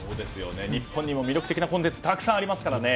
日本にも魅力的なコンテンツがいっぱいありますからね。